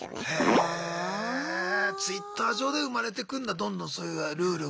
へぇＴｗｉｔｔｅｒ上で生まれてくんだどんどんそういうルールが。